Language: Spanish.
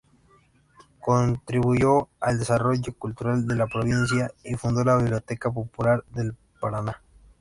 Contribuyó al desarrollo cultural de la provincia y fundó la Biblioteca Popular del Paraná.